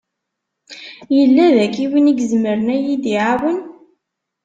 Yella daki win i izemren ad yi-d-iɛawen?